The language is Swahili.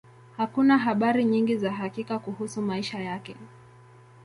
Hakuna habari nyingi za hakika kuhusu maisha yake.